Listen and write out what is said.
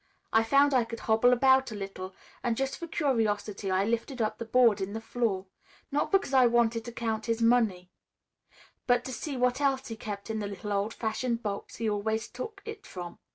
I found I could hobble about a little and just for curiosity I lifted up the board in the floor, not because I wanted to count his money, but to see what else he kept in the little old fashioned box he always took it from.